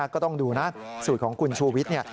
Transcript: ก็ต้องดูนะสูตรของคุณชูวิทย์